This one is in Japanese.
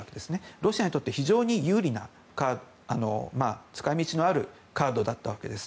ロシアにとって非常に有利な使い道のあるカードだったわけです。